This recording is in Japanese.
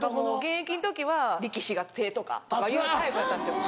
現役の時は「力士が手とか」とかいうタイプやったんですよ。